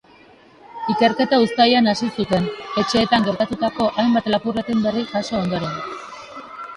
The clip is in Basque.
Ikerketa uztailean hasi zuten, etxeetan gertatutako hainbat lapurreten berri jaso ondoren.